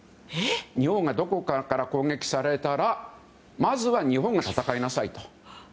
日本がどこからか攻撃されたらまずは日本が戦いなさいと。